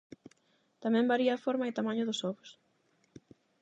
Tamén varía a forma e o tamaño dos ovos.